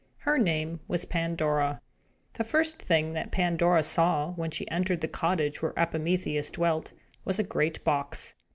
Her name was Pandora. The first thing that Pandora saw, when she entered the cottage where Epimetheus dwelt, was a great box.